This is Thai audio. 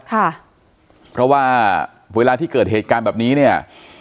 ค่ะเพราะว่าเวลาที่เกิดเหตุการณ์แบบนี้เนี่ย